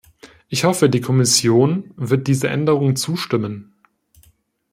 Ich hoffe, die Kommission wird dieser Änderung zustimmen.